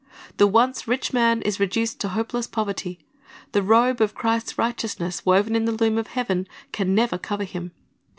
The once rich man is reduced to hopeless poverty. The robe of Christ's righteousness, woven in the loom of heaven, can never cover him.